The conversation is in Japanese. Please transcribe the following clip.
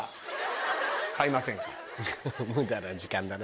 無駄な時間だな。